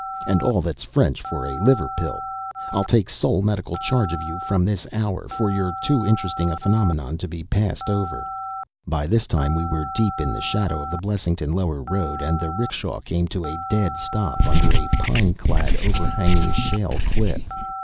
And all that's French for a liver pill. I'll take sole medical charge of you from this hour! for you're too interesting a phenomenon to be passed over." By this time we were deep in the shadow of the Blessington lower road and the 'rickshaw came to a dead stop under a pine clad, over hanging shale cliff.